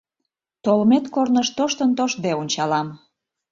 Толмет корныш тоштын-тоштде ончалам.